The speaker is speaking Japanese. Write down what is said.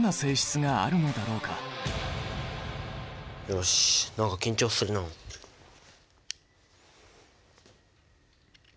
よし何か緊張するなあ。